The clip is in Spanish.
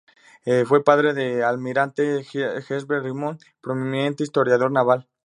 Fue padre del almirante Sir Herbert Richmond, prominente historiador naval.